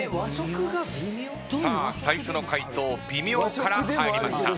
最初の回答「微妙」から入りました。